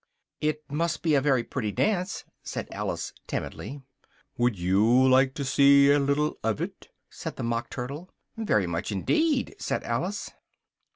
"It must be a very pretty dance," said Alice timidly. "Would you like to see a little of it?" said the Mock Turtle. "Very much indeed," said Alice.